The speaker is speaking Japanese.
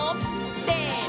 せの！